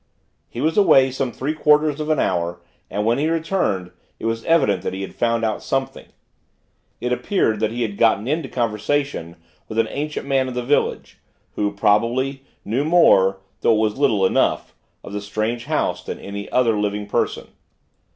He was away some three quarters of an hour, and, when he returned, it was evident that he had found out something. It appeared that he had got into conversation with an ancient man of the village, who, probably, knew more though it was little enough of the strange house, than any other person living.